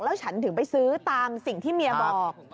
แล้วฉันถึงไปซื้อตามสิ่งที่เมียบอก